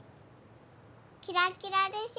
キラキラでしょ？